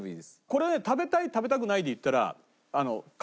これ食べたい食べたくないでいったら関係なくね。